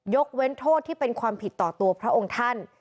เว้นโทษที่เป็นความผิดต่อตัวพระองค์ท่าน